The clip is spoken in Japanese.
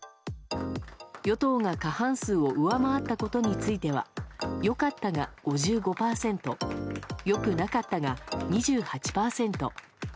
与党が過半数を上回ったことについてはよかったが５５％よくなかったが２８％。